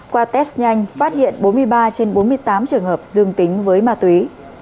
qua test nhanh phát hiện bốn mươi ba trên bốn mươi tám trường hợp dương tính với ma túy